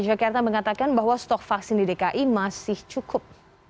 jakarta mengatakan bahwa stok vaksin di dki masih cukup